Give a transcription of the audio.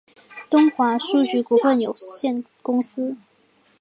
东华书局股份有限公司